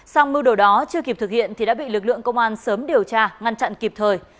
sau mưu đồ đó chưa kịp thực hiện thì đã bị lực lượng công an sớm điều tra ngăn chặn kịp thời